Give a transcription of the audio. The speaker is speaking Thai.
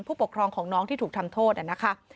ผู้ปกครองของน้องที่ถูกทำโทษนะคะ